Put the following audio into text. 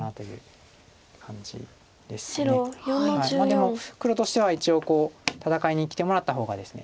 でも黒としては一応戦いにきてもらった方がですね